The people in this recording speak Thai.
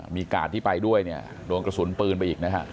มีกาดที่ไปด้วยเนี่ยโดนกระสุนปืนไปอีกนะฮะ